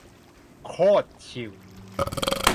โคตรชิล